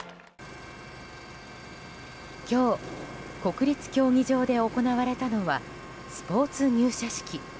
今日、国立競技場で行われたのはスポーツ入社式。